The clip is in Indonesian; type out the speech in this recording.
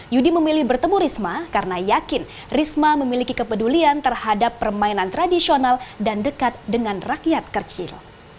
yudi memilih bertemu risma karena yakin risma memiliki kepedulian terhadap permainan tradisional dan dekat dengan rakyat kecil